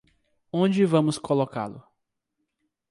Onde vamos colocá-lo?